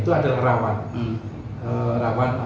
itu adalah rawan